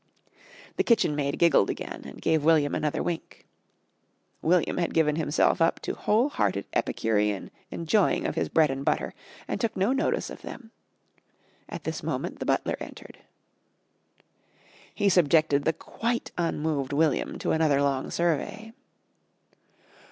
The kitchen maid giggled again and gave William another wink. William had given himself up to whole hearted epicurean enjoying of his bread and butter and took no notice of them. At this moment the butler entered. He subjected the quite unmoved William to another long survey.